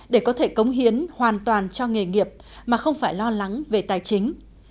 để có thể cống hiến hoàn toàn cho nghề nghiệp mà không phải lo lắng về tài chính